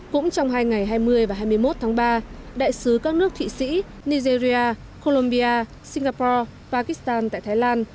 cũng trong hai ngày hai mươi và hai mươi một tháng ba đại sứ các nước thụy sĩ nigeria colombia singapore pakistan tại thái lan